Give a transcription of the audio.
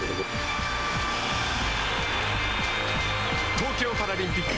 東京パラリンピック。